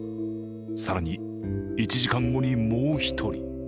更に１時間後に、もう１人。